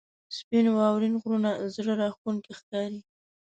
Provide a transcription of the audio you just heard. • سپین واورین غرونه زړه راښکونکي ښکاري.